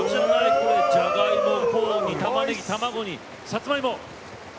じゃがいも、コーン、たまねぎ、卵、さつまいも。